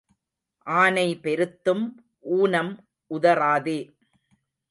ஆனை பெருத்தும் ஊனம் உதறாதே.